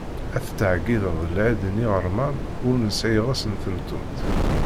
Ad tettɛeggideḍ lɛid n iɣerman ur nesɛi iɣes n temtunt.